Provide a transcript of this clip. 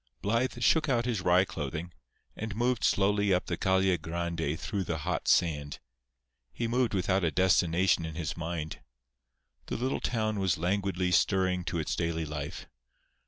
Blythe shook out his wry clothing, and moved slowly up the Calle Grande through the hot sand. He moved without a destination in his mind. The little town was languidly stirring to its daily life.